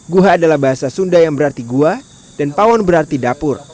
gua adalah bahasa sunda yang berarti gua dan pawon berarti dapur